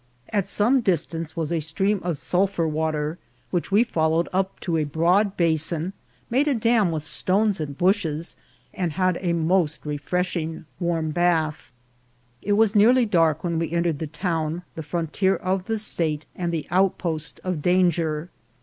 At some distance was a stream of sulphur water, which we fol lowed up to a broad basin, made a dam with stones and bushes, and had a most refreshing warm bath. It was nearly dark when we entered the town, the frontier of the state and the outpost of danger.